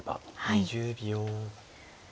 ２０秒。